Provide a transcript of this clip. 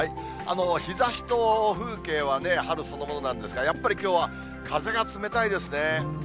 日ざしと風景はね、春そのものなんですが、やっぱりきょうは風が冷たいですね。